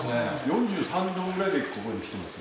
４３度ぐらいでここに来てます。